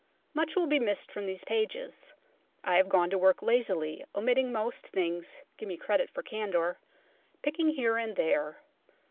Much will be missed from these pages. I have gone to work lazily, omitting most things give me credit for candour picking here and there.